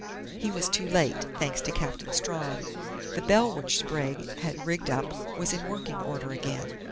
He was too late thanks to Captain Strawn. The bell which Sprague had rigged up was in working order again.